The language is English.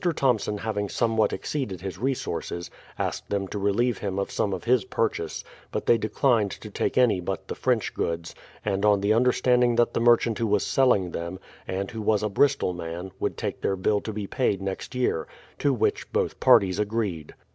Thomson hav ing somewhat exceeded his resources, asked them to re lieve him of some of his purchase; but they declined to take any but the French goods, and on the understanding that the merchant who was selling them, and who was a Bristol man, would take their bill to be paid next year; to which both parties agreed.